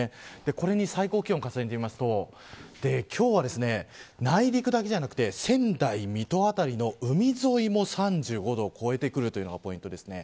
これに最高気温を重ねてみると今日は内陸だけではなくて仙台、水戸辺りの海沿いも３５度を超えてくるというのがポイントです。